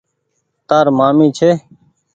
تآر مآمي ڇي۔